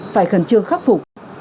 phải khẩn trương khắc phục